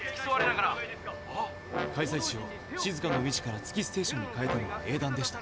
開催地を静かの海市から月ステーションに変えたのは英断でしたね。